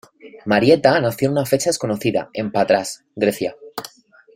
Marietta nació en una fecha desconocida en Patras, Grecia.